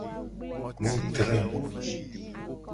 Mu dre.